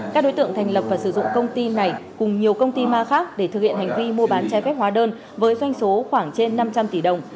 các đối tượng thành lập và sử dụng công ty này cùng nhiều công ty ma khác để thực hiện hành vi mua bán trái phép hóa đơn với doanh số khoảng trên năm trăm linh tỷ đồng